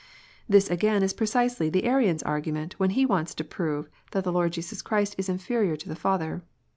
This again is precisely the Arian s argument, when he wants to prove that the Lord Jesus Christ is inferior to the lather.